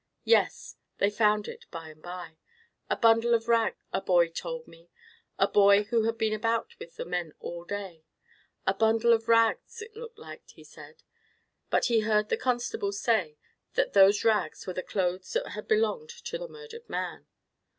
"Yes, they found it by and by. A bundle of rags, a boy told me—a boy who had been about with the men all day—'a bundle of rags, it looked like,' he said; but he heard the constable say that those rags were the clothes that had belonged to the murdered man."